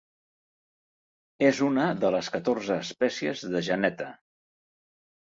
És una de les catorze espècies de geneta.